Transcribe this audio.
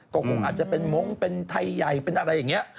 ก็คงอาจจะเป็นมงค์เป็นไทยใหญ่เป็นอะไรอย่างนี้